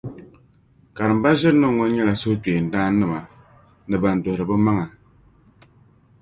Karimba ʒirinim’ ŋɔ nyɛla suhukpeendaannima ni bɛn duhiri bɛmaŋa.